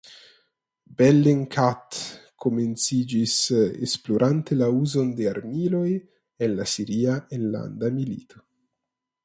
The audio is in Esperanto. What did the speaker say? Bellingcat komenciĝis esplorante la uzon de armiloj en la siria enlanda milito.